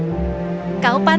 kau pandai mencari kesalahan